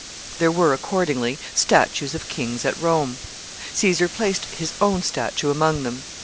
There were, accordingly, statues of kings at Rome. Caesar placed his own statue among them.